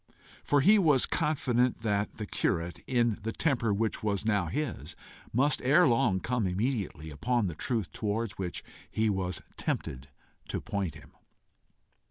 For he was confident that the curate, in the temper which was now his, must ere long come immediately upon the truth towards which he was tempted to point him.